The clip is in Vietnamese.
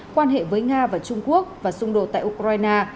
quan hệ với nga và trung quốc và xung đột tại ukraine